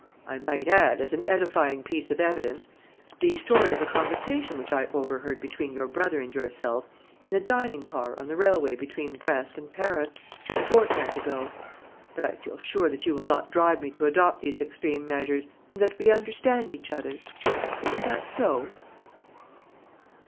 I might add, as an edifying piece of evidence, the story of the conversation which I overheard between your brother and yourself in a dining car on the railway between Brest and Paris, a fortnight ago. But I feel sure that you will not drive me to adopt these extreme measures and that we understand each other. Isn't that so?"